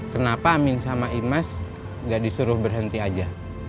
kenapa amin sama imes gak disuruh berhenti aja